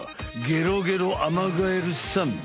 ゲロゲロアマガエルさん。